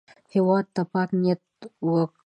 هېواد ته پاک نیت ورکړئ